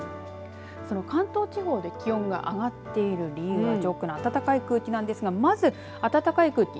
その関東地方で気温が上がっている理由は上空の暖かい空気なんですがまず暖かい空気